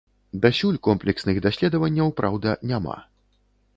Дасюль комплексных даследаванняў, праўда, няма.